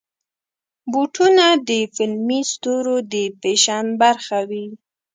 بوټونه د فلمي ستورو د فیشن برخه وي.